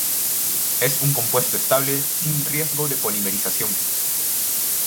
Es un compuesto estable sin riesgo de polimerización.